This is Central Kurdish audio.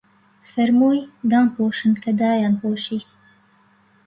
فەرمووی: دام پۆشن، کە دایان پۆشی